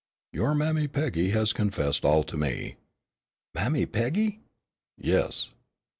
"Your Mammy Peggy has confessed all to me." "Mammy Peggy!" "Yes."